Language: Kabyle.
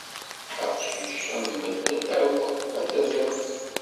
Aqcic am wa medden akk ad t-ren.